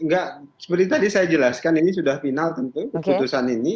enggak seperti tadi saya jelaskan ini sudah final tentu keputusan ini